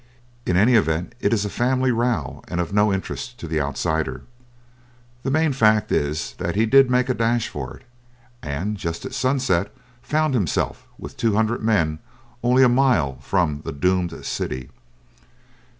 In any event, it is a family row and of no interest to the outsider. The main fact is that he did make a dash for it, and just at sunset found himself with two hundred men only a mile from the "Doomed City."